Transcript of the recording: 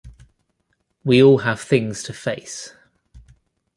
We all have things to face.